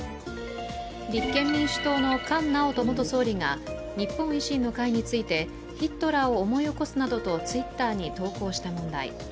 立憲民主党の菅直人元総理が日本維新の会についてヒトラーを思い起こすなどとＴｗｉｔｔｅｒに投稿した問題。